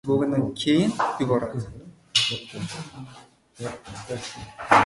Namanganda “Bag‘rikenglik haftaligi” do‘stlik va ahillik muhitini yanada mustahkamlamoqda